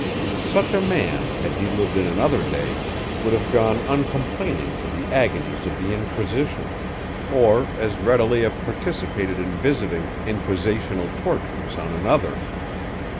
Such a man, had he lived in another day, would have gone uncomplaining to the agonies of the Inquisition or as readily have participated in visiting Inquisitional tortures on another.